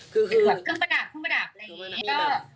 คือแบบกึ่งประดาบอะไรอย่างงี้